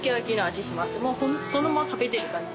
そのまま食べてる感じ。